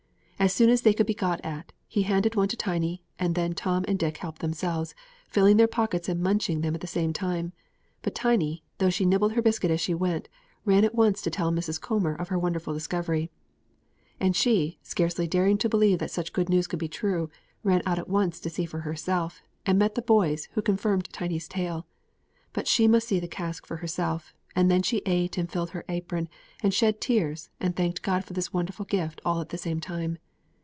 As soon as they could be got at, he handed one to Tiny, and then Tom and Dick helped themselves, filling their pockets and munching them at the same time; but Tiny, though she nibbled her biscuit as she went, ran at once to tell Mrs. Coomber of her wonderful discovery; and she, scarcely daring to believe that such good news could be true, ran out at once to see for herself, and met the boys, who confirmed Tiny's tale. But she must see the cask for herself, and then she ate and filled her apron, and shed tears, and thanked God for this wonderful gift all at the same time.